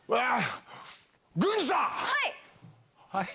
はい。